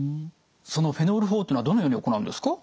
そのフェノール法というのはどのように行うんですか？